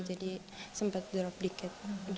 jadi sempat drop dikit